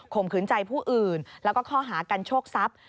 มขืนใจผู้อื่นแล้วก็ข้อหากันโชคทรัพย์